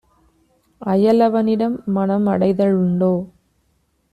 அயலவ னிடம்மனம் அடைத லுண்டோ?